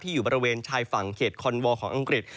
อยู่บริเวณชายฝั่งเขตคอนวอลของอังกฤษ